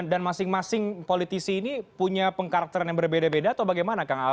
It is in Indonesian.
dan masing masing politisi ini punya pengkarakteran yang berbeda beda atau bagaimana kang